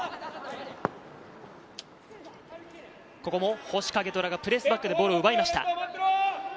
ここも星景虎がプレスバックでボールを奪いました。